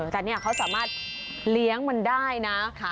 แต่นี่เขาสามารถเลี้ยงมันได้นะ